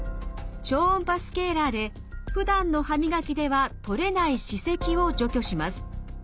超音波スケーラーでふだんの歯磨きでは取れない歯石を除去します。